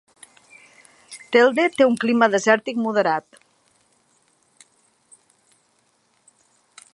Telde té un clima desèrtic moderat.